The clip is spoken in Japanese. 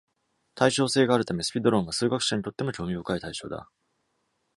対称性があるため、スピドロンは数学者にとっても興味深い対象だ。